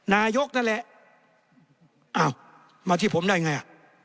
นายกนั่นแหละอ้าวมาที่ผมได้ไงอ่ะ